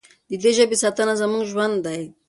د دې ژبې ساتنه زموږ ژوند دی.